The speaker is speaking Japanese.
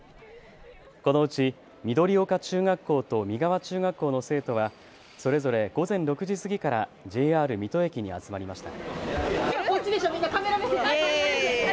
このうち緑岡中学校と見川中学校の生徒はそれぞれ午前６時過ぎからＪＲ水戸駅に集まりました。